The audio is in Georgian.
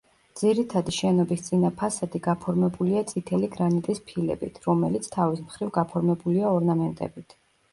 ძირითადი შენობის წინა ფასადი გაფორმებულია წითელი გრანიტის ფილებით, რომელიც თავის მხრივ გაფორმებულია ორნამენტებით.